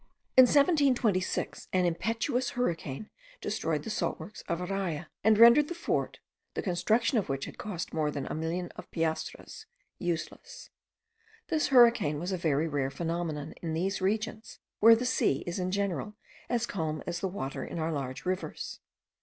In 1726, an impetuous hurricane destroyed the salt works of Araya, and rendered the fort, the construction of which had cost more than a million of piastres, useless. This hurricane was a very rare phenomenon in these regions, where the sea is in general as calm as the water in our large rivers.